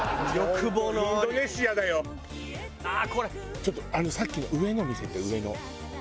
ちょっとさっきの上の見せて上の。